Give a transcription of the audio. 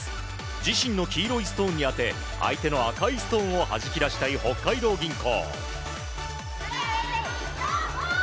自身の黄色いストーンに当て相手の赤いストーンをはじき出したい北海道銀行。